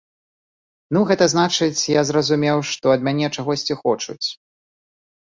Ну, гэта значыць, я зразумеў, што ад мяне чагосьці хочуць.